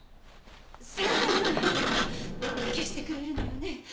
３０００万払えば消してくれるのよね？